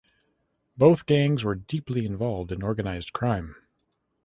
Both gangs were deeply involved in organized crime.